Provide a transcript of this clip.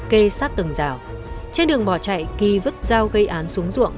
kê sát từng rào trên đường bỏ chạy ki vứt dao gây án xuống ruộng